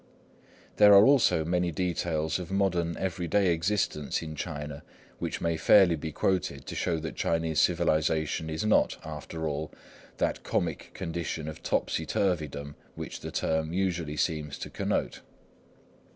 There are also many details of modern everyday existence in China which may fairly be quoted to show that Chinese civilisation is not, after all, that comic condition of topsy turvey dom which the term usually seems to connote.